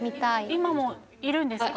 今もいるんですか？